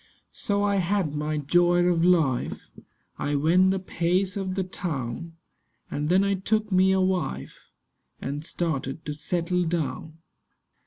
So I had my joy of life: I went the pace of the town; And then I took me a wife, And started to settle down.